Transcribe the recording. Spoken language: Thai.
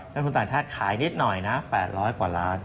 ลงทุนต่างชาติขายนิดหน่อยนะ๘๐๐กว่าล้าน